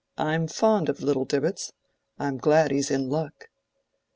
I'm fond of little Dibbitts—I'm glad he's in luck."